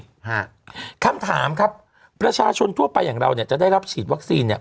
ฮะคำถามครับประชาชนทั่วไปอย่างเราเนี่ยจะได้รับฉีดวัคซีนเนี้ย